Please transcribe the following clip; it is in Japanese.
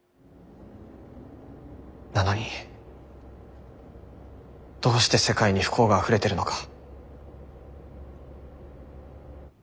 なのにどうして世界に不幸があふれてるのか。